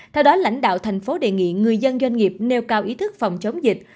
theo đó lãnh đạo thành phố đề nghị người dân doanh nghiệp nêu cao ý thức phòng chống dịch